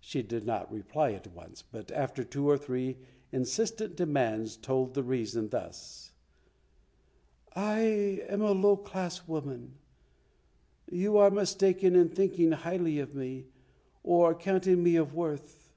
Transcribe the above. She did not reply at once, but after two or three insistent demands told the reason thus: "I am a low class woman; you are mistaken in thinking highly of me, or counting me of worth.